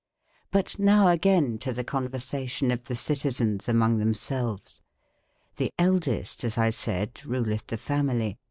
QTnoweagaynetothecon/ versation of the cytezens amonge themselfes. The eldeste, as X sayde, rulethe the family e.